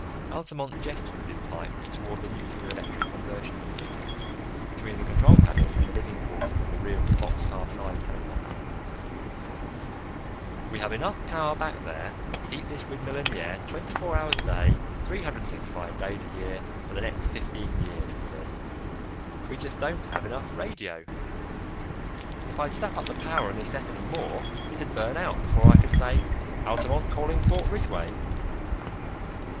Altamont gestured with his pipe toward the nuclear electric conversion unit, between the control cabin and the living quarters in the rear of the boxcar sized helicopter. "We have enough power back there to keep this windmill in the air twenty four hours a day, three hundred and sixty five days a year, for the next fifteen years," he said. "We just don't have enough radio. If I'd step up the power on this set any more, it'd burn out before I could say, 'Altamont calling Fort Ridgeway.'"